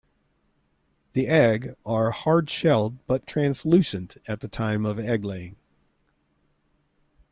The egg are hard shelled but translucent at the time of egg-laying.